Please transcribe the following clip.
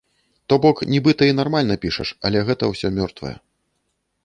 То бок, нібыта і нармальна пішаш, але гэта ўсё мёртвае.